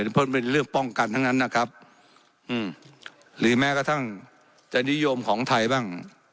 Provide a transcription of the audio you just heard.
เพราะมันเป็นเรื่องป้องกันทั้งนั้นนะครับหรือแม้กระทั่งจะนิยมของไทยบ้าง